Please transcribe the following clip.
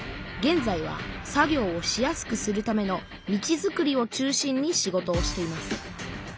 げんざいは作業をしやすくするための道づくりを中心に仕事をしています。